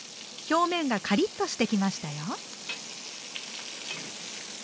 表面がカリッとしてきましたよ。